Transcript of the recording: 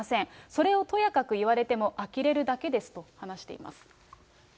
それをとやかく言われても、あきれるだけですと話しています。